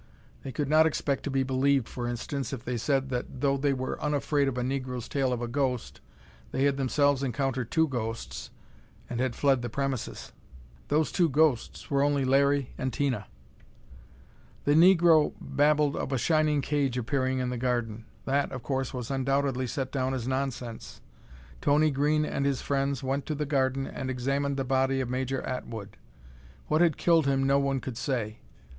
They could not expect to be believed, for instance, if they said that though they were unafraid of a negro's tale of a ghost, they had themselves encountered two ghosts, and had fled the premises! Those two ghosts were only Larry and Tina! The negro babbled of a shining cage appearing in the garden. That, of course, was undoubtedly set down as nonsense. Tony Green and his friends went to the garden and examined the body of Major Atwood. What had killed him no one could say.